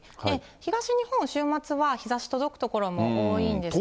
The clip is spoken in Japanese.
東日本、週末は日ざし届く所も多いんですけども。